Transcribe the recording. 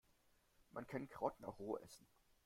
Man kann Karotten auch roh essen.